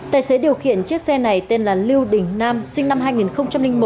tài xế điều khiển chiếc xe này tên là lưu đình nam sinh năm hai nghìn một